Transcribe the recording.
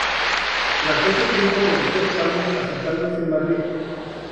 Tras ese tiempo regresó a España asentándose en Madrid.